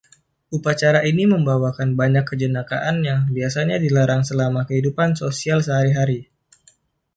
Upacara ini membawakan banyak kejenakaan yang biasanya dilarang selama kehidupan sosial sehari-hari.